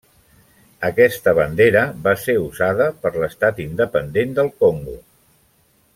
Aquesta bandera va ser usada per l'Estat independent del Congo.